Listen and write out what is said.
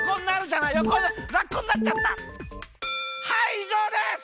いじょうです！